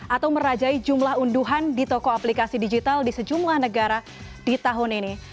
atau merajai jumlah unduhan di toko aplikasi digital di sejumlah negara di tahun ini